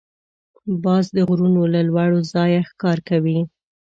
باز د غرونو له لوړ ځایه ښکار کوي